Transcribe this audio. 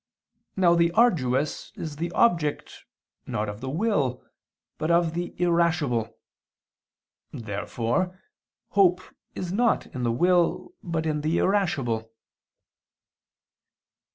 Now the arduous is the object, not of the will, but of the irascible. Therefore hope is not in the will but in the irascible.